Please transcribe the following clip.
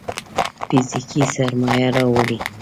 فزيکي سرمايه راوړي.